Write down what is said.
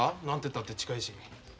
何て言ったって近いし。